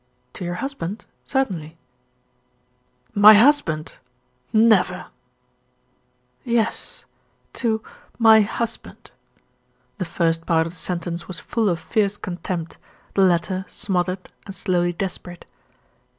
"To your husband? Certainly." "My husband? Never! Yes, to MY HUSBAND." The first part of the sentence was full of fierce contempt; the latter, smothered, and slowly desperate.